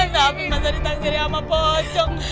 tapi masa ditaksirin sama pocong